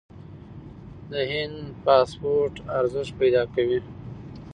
د هند پاسپورت ارزښت پیدا کوي.